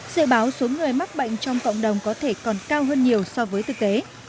dự báo số người mắc bệnh trong cộng đồng có thể còn cao hơn nhiều so với thực tế